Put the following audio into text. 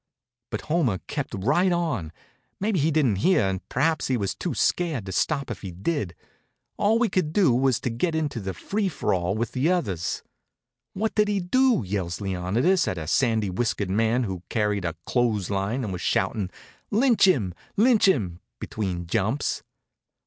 But Homer kept right on. Maybe he didn't hear, and perhaps he was too scared to stop if he did. All we could do was to get into the free for all with the others. "What did he do?" yells Leonidas at a sandy whiskered man who carried a clothes line and was shoutin', "Lynch him! Lynch him!" between jumps.